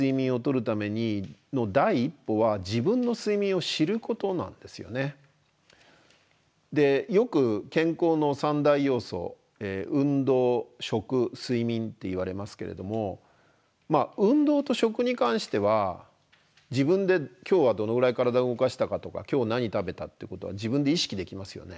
で何よりもですねでよく健康の３大要素運動食睡眠っていわれますけれども運動と食に関しては自分で今日はどのぐらい体動かしたかとか今日何食べたってことは自分で意識できますよね。